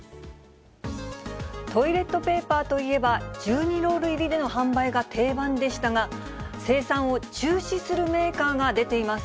トイレットペーパーといえば、１２ロール入りでの販売が定番でしたが、生産を中止するメーカーが出ています。